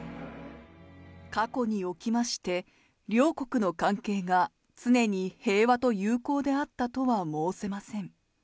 過去におきまして、両国の関係が常に平和と友好であったとは申せません。